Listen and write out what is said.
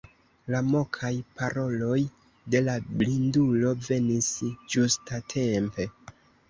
La mokaj paroloj de la blindulo venis ĝustatempe.